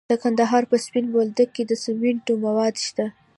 د کندهار په سپین بولدک کې د سمنټو مواد شته.